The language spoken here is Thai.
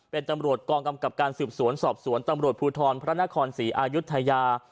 เป็นตำรวจกองกำกับการสืบสวนสอบสวนตำรวจภูทรพระนครศรีอายุทยา